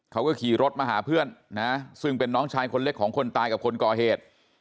เขาก็ขี่รถมาหาเพื่อนนะซึ่งเป็นน้องชายคนเล็กของคนตายกับคนก่อเหตุ